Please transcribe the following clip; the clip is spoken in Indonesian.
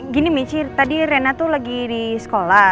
gini michi tadi rena tuh lagi di sekolah